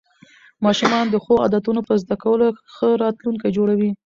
ماشومان د ښو عادتونو په زده کولو ښه راتلونکی جوړوي